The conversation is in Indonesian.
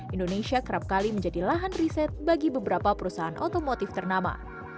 indonesia kerap kali menjadi lahan riset bagi beberapa perusahaan otomotif ternama